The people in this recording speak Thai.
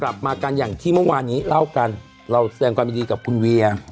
กลับมากันอย่างที่เมื่อวานนี้เราแทงความดีกับคุณเวีย